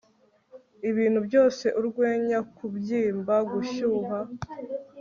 ibintu byose, urwenya, kubyimba, gushyuha